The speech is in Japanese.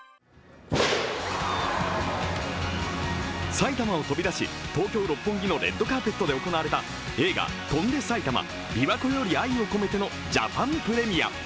埼玉を飛び出し、東京・六本木のレッドカーペットで行われた映画「翔んで埼玉琵琶湖より愛をこめて」のジャパンプレミア。